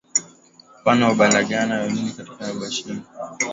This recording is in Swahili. Mfano abalagane abajiji abachaba abazigaba abalima abatwa abashing